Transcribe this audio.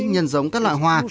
nhân giống các loại hoa